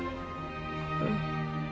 うん。